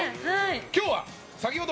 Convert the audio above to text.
今日は先ほど、